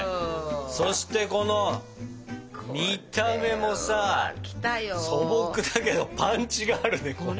そしてこの見た目もさ素朴だけどパンチがあるねこれ。